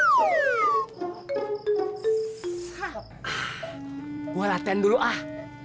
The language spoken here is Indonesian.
gue latihan dulu ah